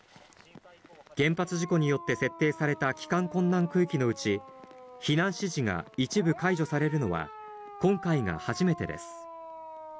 原発事故によって設定された帰還困難区域のうち、避難指示が一部解除されるのは、今回が初めてです。